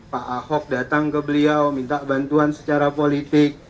pak ahok datang ke beliau minta bantuan secara politik